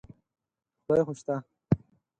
خدای خو شته.